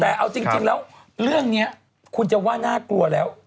แต่เอาจริงแล้วคุณจะว่าน่ากลัวกันแล้ว